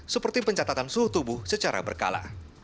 seperti pencatatan suhu tubuh secara berkala